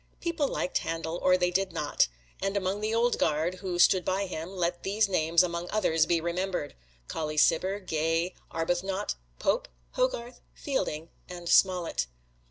People liked Handel, or they did not, and among the Old Guard who stood by him, let these names, among others, be remembered: Colley Cibber, Gay, Arbuthnot, Pope, Hogarth, Fielding and Smollett.